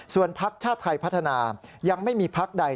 ส่วนพักชาติไทยพัฒนายังไม่มีพักใด